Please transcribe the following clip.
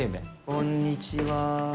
こんにちは。